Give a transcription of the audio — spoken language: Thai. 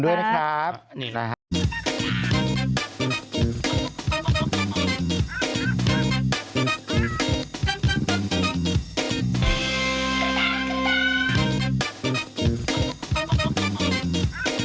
สวัสดีพี่หนุ่มด้วยนะครับ